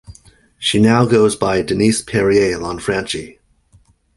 She now goes by Denise Perrier Lanfranchi.